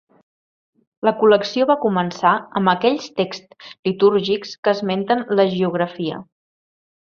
La col·lecció va començar amb aquells texts litúrgics que esmenten l'hagiografia.